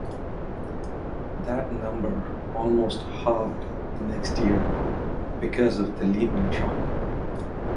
That number almost halved the next year because of the Lehman shock.